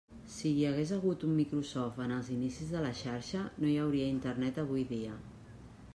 Si hi hagués hagut un Microsoft en els inicis de la xarxa, no hi hauria Internet avui dia.